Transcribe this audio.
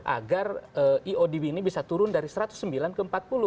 agar iodb ini bisa turun dari satu ratus sembilan ke empat puluh